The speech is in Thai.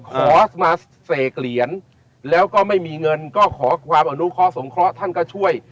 ขอมาเสกเหรียญแล้วก็ไม่มีเงินก็ขอความอนุเคราะหงเคราะห์ท่านก็ช่วย